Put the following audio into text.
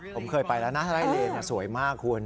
ผมเคยไปแล้วนะถ้าไล่เลนสวยมากคุณ